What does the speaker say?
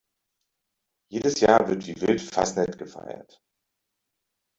Jedes Jahr wird wie wild Fasnet gefeiert.